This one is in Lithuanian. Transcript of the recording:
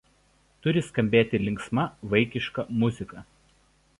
Turi skambėti linksma vaikiška muzika.